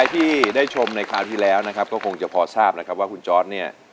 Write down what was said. ที่ได้ชมในคราวที่แล้วนะครับก็คงจะพอทราบนะครับว่าคุณจอร์ดเนี่ย